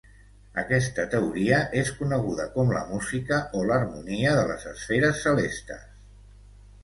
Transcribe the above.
Aquesta teoria és coneguda com la música o l'harmonia de les esferes celestes.